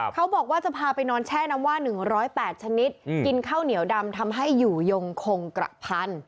เขาบอกว่าจะพาไปนอนแช่น้ำว่า๑๐๘ชนิดกินข้าวเหนียวดำทำให้อยู่ยงคงกระพัน